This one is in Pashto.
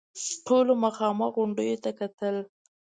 ټولو مخامخ غونډيو ته کتل.